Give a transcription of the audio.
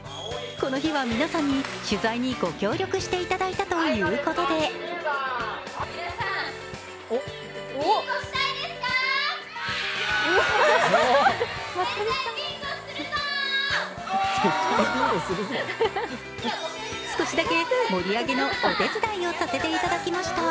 この日は皆さんに取材にご協力していただいたということで少しだけ、盛り上がりのお手伝いをさせていただきました、